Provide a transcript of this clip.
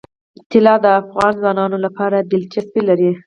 طلا د افغان ځوانانو لپاره دلچسپي لري.